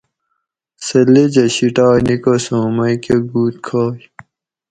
سہۤ لیجہۤ شیٹائ نیکس اُوں مئ کہ گُوت کھائ